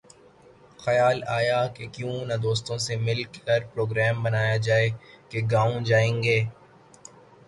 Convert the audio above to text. خیال آیا کہ کیوں نہ دوستوں سے مل کر پروگرام بنایا جائے کہ گاؤں جائیں گے